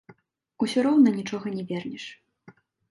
Усё роўна нічога не вернеш.